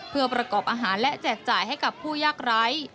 เพื่อประกอบอาหารและแจกจ่ายให้กับผู้ยากไร้